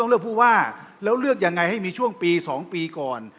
เลือกผู้ว่าแล้วเลือกยังไงให้มีช่วงปี๒ปีก่อน